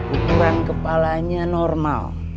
ukuran kepalanya normal